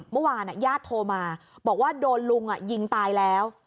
เมื่อวานญาติโทรมาบอกว่าโดนลุงยิงตายแล้ว